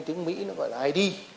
nhưng tiếng mỹ nó gọi là id